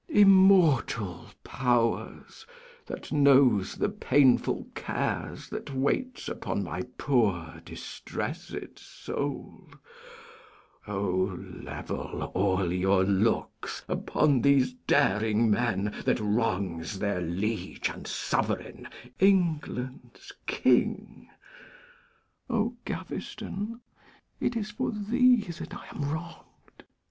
_ Immortal powers, that know the painful cares That wait upon my poor distressed soul, O, level all your looks upon these daring men That wrong their liege and sovereign, England's king! O Gaveston, it is for thee that I am wrong'd!